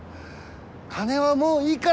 金はもういいから！